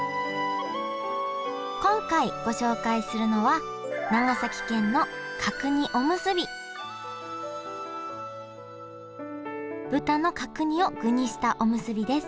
今回ご紹介するのは長崎県の角煮おむすび豚の角煮を具にしたおむすびです。